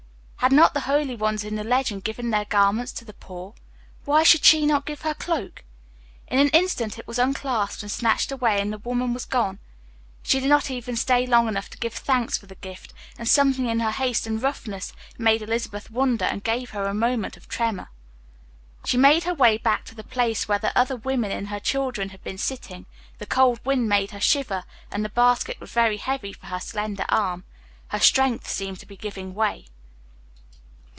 Had not the holy ones in the legends given their garments to the poor? Why should she not give her cloak? In an instant it was unclasped and snatched away, and the woman was gone. She did not even stay long enough to give thanks for the gift, and something in her haste and roughness made Elizabeth wonder and gave her a moment of tremor. She made her way back to the place where the other woman and her children had been sitting; the cold wind made her shiver, and the basket was very heavy for her slender arm. Her strength seemed to be giving way.